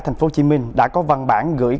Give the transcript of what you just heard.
tp hcm đã có văn bản gửi